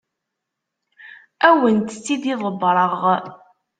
Ad awent-tt-id-ḍebbreɣ.